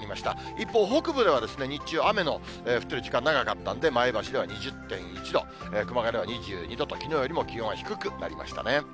一方、北部では日中、雨の降っている時間長かったんで、前橋では２０．１度、熊谷では２２度と、きのうよりも気温は低くなりましたね。